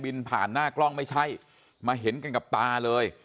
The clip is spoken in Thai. ผ่านหน้ากล้องไม่ใช่มาเห็นกันกับตาเลย